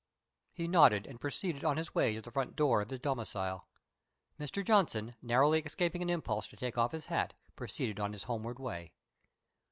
He nodded and proceeded on his way to the front door of his domicile. Mr. Johnson, narrowly escaping an impulse to take off his hat, proceeded on his homeward way.